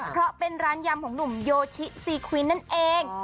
เพราะเป็นร้านยำของหนุ่มโยชิซีควินนั่นเอง